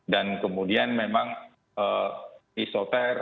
dan kemudian memang isoter